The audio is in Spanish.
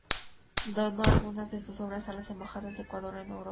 Donó algunas de sus obras a las Embajadas de Ecuador en Europa.